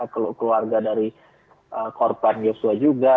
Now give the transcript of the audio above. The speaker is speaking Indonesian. keluarga dari korban yosua juga